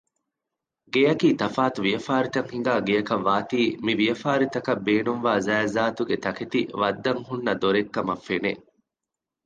ގެޔަކީ ތަފާތު ވިޔަފާރިތައް ހިނގާ ގެއަކަށް ވާތީ މިވިޔަފާރިތަކަށް ބޭނުންވާ ޒާތްޒާތުގެ ތަކެތި ވައްދަން ހުންނަ ދޮރެއްކަމަށް ފެނެ